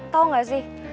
tau gak sih